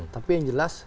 tapi yang jelas